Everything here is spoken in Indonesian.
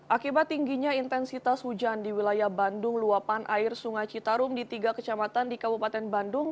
akibat tingginya intensitas hujan di wilayah bandung luapan air sungai citarum di tiga kecamatan di kabupaten bandung